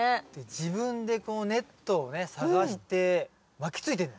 自分でこうネットをね探して巻きついてんの。